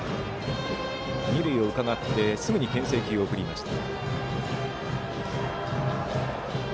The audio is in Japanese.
二塁をうかがって、すぐにけん制球を送りました。